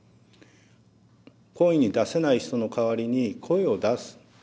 声に出せない人の代わりに声を出す。